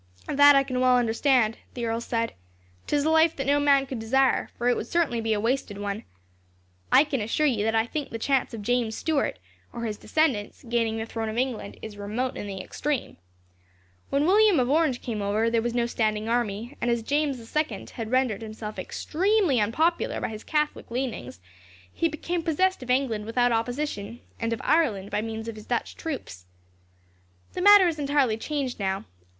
"That I can well understand," the earl said. "'Tis a life that no man could desire, for it would certainly be a wasted one. I can assure you that I think the chance of James Stuart, or his descendants, gaining the throne of England is remote in the extreme. When William of Orange came over, there was no standing army, and as James the Second had rendered himself extremely unpopular by his Catholic leanings, he became possessed of England without opposition, and of Ireland by means of his Dutch troops. The matter is entirely changed, now.